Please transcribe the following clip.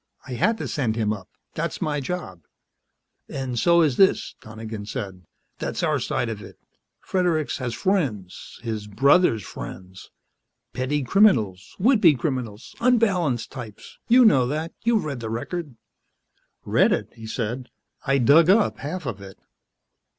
I had to send him up. That's my job." "And so is this," Donegan said. "That's our side of it. Fredericks has friends his brother's friends. Petty criminals, would be criminals, unbalanced types. You know that. You've read the record." "Read it?" he said. "I dug up half of it."